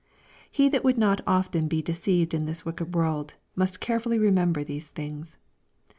He that would not be often deceived in this wicked world, must carefully remember these things.